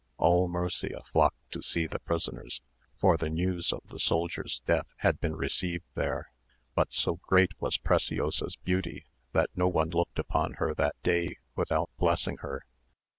All Murcia flocked to see the prisoners, for the news of the soldier's death had been received there; but so great was Preciosa's beauty that no one looked upon her that day without blessing her.